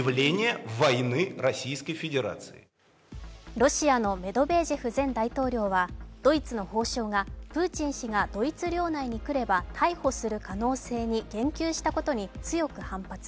ロシアのメドベージェフ前大統領はドイツの法相がプーチン氏がドイツ領内に来れば逮捕する可能性に言及したことに強く反発。